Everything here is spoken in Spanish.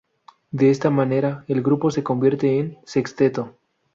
De esta manera el grupo se convierte en sexteto.